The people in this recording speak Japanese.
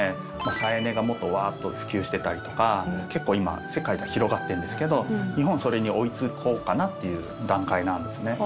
再エネがもっとワーッと普及してたりとか結構今世界では広がってるんですけど日本それに追いつこうかなっていう段階なんですね。